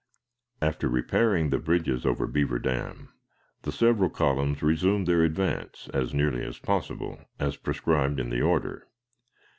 After repairing the bridges over Beaver Dam, the several columns resumed their advance, as nearly as possible, as prescribed in the order.